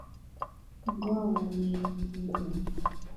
Fungua waliofungwa